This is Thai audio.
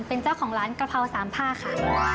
เป็นเจ้าของร้านกะเพราสามผ้าค่ะ